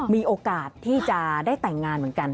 มีโอกาสที่จะได้แต่งงานเหมือนกัน